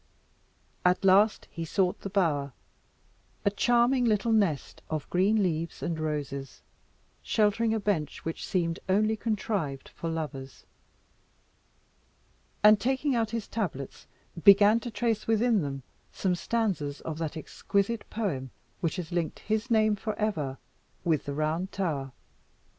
At last, he sought the bower a charming little nest of green leaves and roses, sheltering a bench which seemed only contrived for lovers and taking out his tablets, began to trace within them some stanzas of that exquisite poem which has linked his name for ever with the Round Tower.